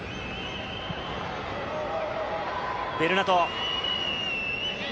ベルナト。